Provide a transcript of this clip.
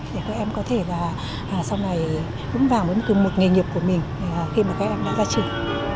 để các em có thể là sau này vững vàng với một nghề nghiệp của mình khi mà các em đã ra trường